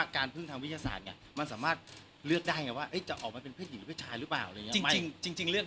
คือมันยังไม่๓เดือนเลย